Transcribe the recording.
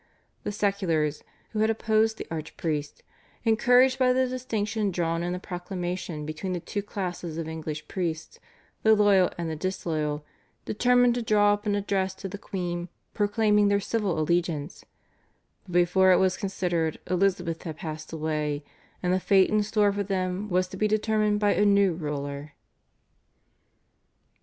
The seculars, who had opposed the archpriest, encouraged by the distinction drawn in the proclamation between the two classes of English priests, the loyal and the disloyal, determined to draw up an address to the queen proclaiming their civil allegiance, but before it was considered Elizabeth had passed away, and the fate in store for them was to be determined by a new ruler.